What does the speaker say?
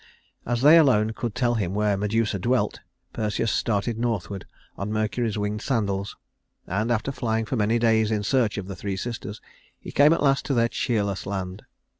As they alone could tell him where Medusa dwelt, Perseus started northward on Mercury's winged sandals, and after flying for many days in search of the Three Sisters, he came at last to their cheerless land.